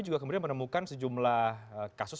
juga kemudian menemukan sejumlah kasus